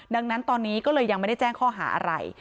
ดังนั้นตอนนี้ก็เลยยังไม่ได้แจ้งข้อหาอะไร